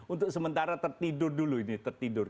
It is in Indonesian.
untuk sementara tertidur dulu ini tertidur